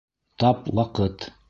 Тап ваҡыт!